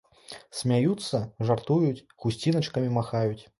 Смяюцца, жартуюць, хусціначкамі махаюць.